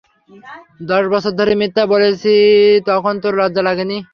দশ বছর ধরে মিথ্যা বলছিলি, তখন তোর লজ্জা লাগেনি?